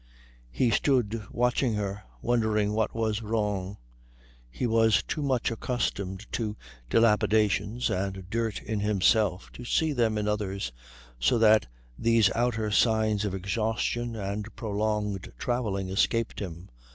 He stood watching her, wondering what was wrong. He was too much accustomed to dilapidations and dirt in himself to see them in others, so that these outer signs of exhaustion and prolonged travelling escaped him.